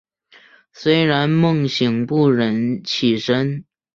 虽然梦醒不忍起身